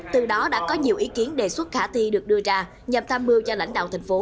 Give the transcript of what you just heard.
từ đó đã có nhiều ý kiến đề xuất khả thi được đưa ra nhằm tham mưu cho lãnh đạo thành phố